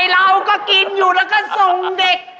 เราก็กินอยู่แล้วก็ส่งเด็ก